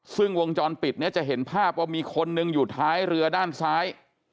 ซึ่งวงจรปิดเนี่ยจะเห็นภาพว่ามีคนนึงอยู่ท้ายเรือด้านซ้าย